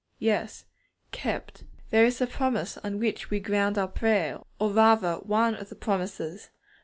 Yes, 'kept!' There is the promise on which we ground our prayer; or, rather, one of the promises.